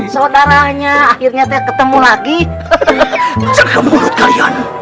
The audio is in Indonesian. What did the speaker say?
saudaranya akhirnya ketemu lagi hahaha